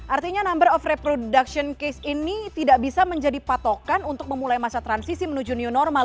artinya number of reproduction case ini tidak bisa menjadi patokan untuk memulai masa transisi menuju new normal